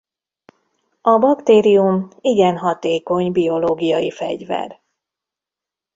A baktérium igen hatékony biológiai fegyver.